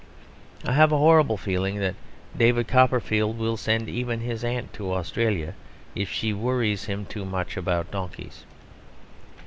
I have a horrible feeling that David Copperfield will send even his aunt to Australia if she worries him too much about donkeys.